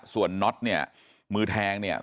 ส่วนน็อตเนี่ยมือแทงเนี่ย